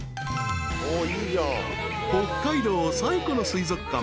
［北海道最古の水族館］